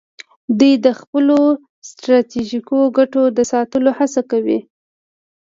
دوی د خپلو ستراتیژیکو ګټو د ساتلو هڅه کوي